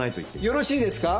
よろしいですか！？